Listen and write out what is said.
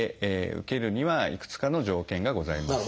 受けるにはいくつかの条件がございます。